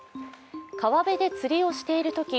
川辺で釣りをしているとき